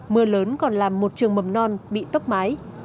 mưa lớn còn làm một trường mầm non bị tốc mái